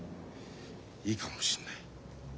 いいかもしんない。